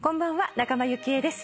仲間由紀恵です。